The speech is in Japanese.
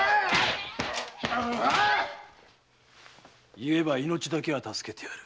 言えば命だけは助けてやる。